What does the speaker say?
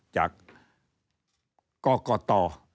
จากกกต